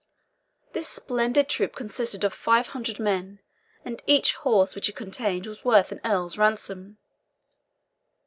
This splendid troop consisted of five hundred men and each horse which it contained was worth an earl's ransom.